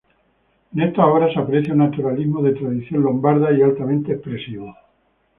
En estas obras se aprecia un naturalismo de tradición lombarda y altamente expresivo.